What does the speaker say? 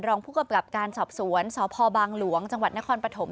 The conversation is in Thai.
รองผู้กำกับการสอบสวนสพบางหลวงจังหวัดนครปฐม